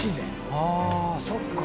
あぁそっか。